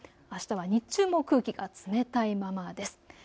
あしたは日中も空気が冷たいままです。